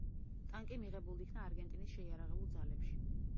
ტანკი მიღებულ იქნა არგენტინის შეიარაღებულ ძალებში.